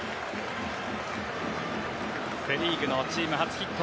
セ・リーグのチーム初ヒット。